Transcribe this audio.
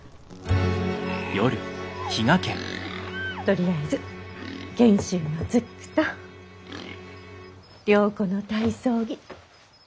とりあえず賢秀のズックと良子の体操着。